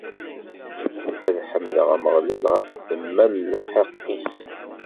Ad ḥemdeɣ Ameɣlal ɣef ddemma n lḥeqq-is.